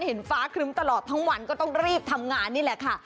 เห็นฟ้าครึ้มตลอดทั้งวันก็ต้องรีบทำงานนี่แหละค่ะ